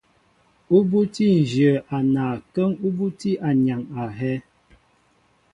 Ú bútí nzhě a naay kə́ŋ ú bútí anyaŋ a hɛ́.